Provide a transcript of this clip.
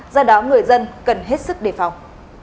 do đó người dân cần hết sức đề phòng